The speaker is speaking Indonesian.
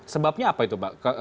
sebabnya apa itu pak